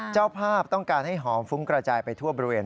เจ้าภาพต้องการให้หอมฟุ้งกระจายไปทั่วบริเวณ